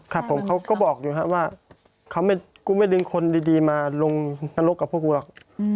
ครับผมเขาก็บอกอยู่ครับว่ากูไม่ดึงคนดีมาลงนรกกับพวกกูหรอก